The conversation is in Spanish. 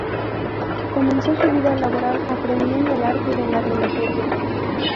Comenzó su vida laboral aprendiendo el arte de la relojería.